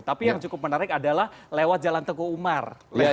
tapi yang cukup menarik adalah lewat jalan teguh umar